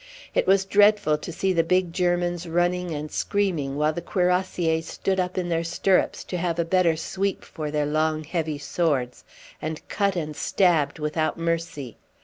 It was dreadful to see the big Germans running and screaming while the cuirassiers stood up in their stirrups to have a better sweep for their long, heavy swords, and cut and stabbed without mercy.